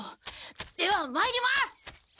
ではまいります！